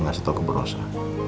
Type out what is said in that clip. ngasih tau keberosa